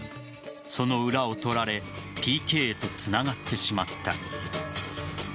その裏を取られＰＫへとつながってしまった。